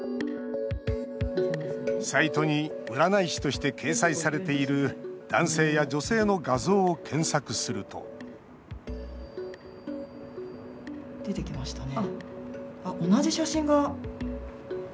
サイトに占い師として掲載されている男性や女性の画像を検索すると出てきましたね。